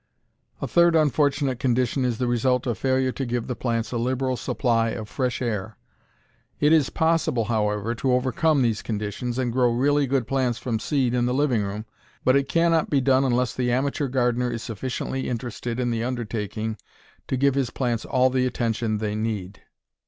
A third unfortunate condition is the result of failure to give the plants a liberal supply of fresh air. It is possible, however, to overcome these conditions and grow really good plants from seed in the living room, but it cannot be done unless the amateur gardener is sufficiently interested in the undertaking to give his plants all the attention they need.